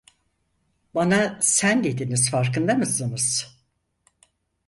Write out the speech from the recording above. Bana "sen" dediniz, farkında mısınız?